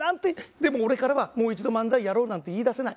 でも俺からはもう一度漫才やろうなんて言い出せない。